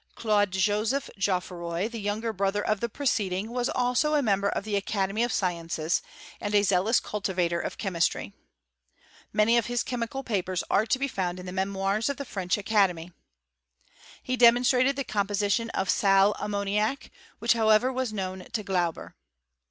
Claude Joseph GeoflVoy, the younger brother of the preceding, was also a member of the Academy of Sciences, and a zealous cultivator of chemistry. Many of liis chemical papers are to be found in the raemoira of the French Academy. He demonstrated the com position of sal ammoniac, which however was known to Glauber.